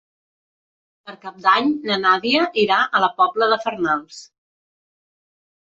Per Cap d'Any na Nàdia irà a la Pobla de Farnals.